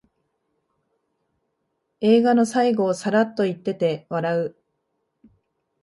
映画の最後をサラッと言ってて笑う